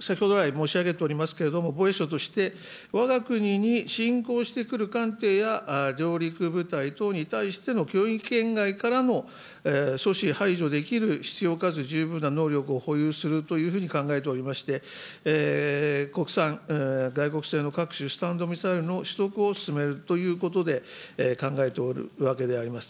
先ほど来申し上げておりますけれども、防衛省として、わが国に侵攻してくる艦艇や上陸部隊等に対しての脅威圏外からの阻止、排除できる必要かつ十分な能力を保有するというふうに考えておりまして、国産、外国製の各種スタンド・オフ・ミサイルの取得を進めるということで考えておるわけであります。